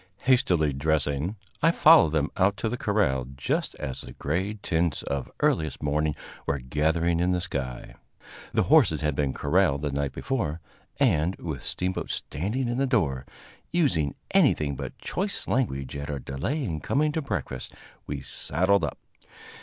Hastily dressing, I followed them out to the corral just as the gray tints of earliest morning were gathering in the sky. The horses had been corralled the night before, and, with Steamboat standing in the door, using anything but choice language at our delay in coming to breakfast, we saddled up.